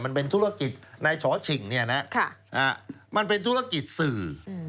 มันเป็นธุรกิจในชอชิงมันเป็นธุรกิจสื่อ